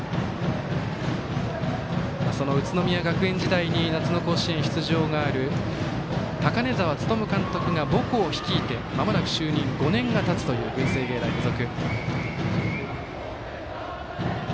その宇都宮学園時代に夏の甲子園出場がある高根澤力監督が母校を率いてまもなく就任５年がたつという文星芸大付属。